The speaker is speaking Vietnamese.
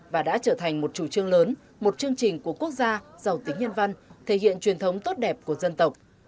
và đã trở thành một chủ trương lớn một chương trình của quốc gia giàu tính nhân văn thể hiện truyền thống tốt đẹp của dân tộc